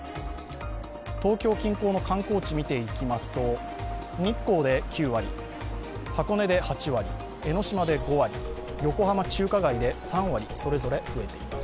東京近郊の観光地を見ていきますと、日光で９割、箱根で８割、江の島で５割横浜中華街で３割、それぞれ増えています。